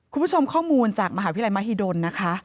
คุณผู้ชมข้อมูลจากมหาวิทยาลัยมหิดลนะคะ